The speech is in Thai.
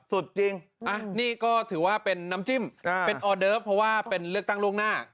สุดจริงนี่ก็ถือว่าเป็นน้ำจิ้มเป็นออเดิฟเพราะว่าเป็นเลือกตั้งล่วงหน้า